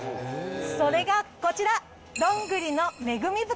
それがこちら。